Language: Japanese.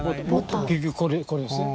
結局これですね。